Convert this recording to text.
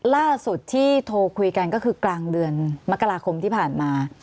ล่าสุดที่โทรคุยกันก็คือกลางเดือนมกราคมที่ผ่านมา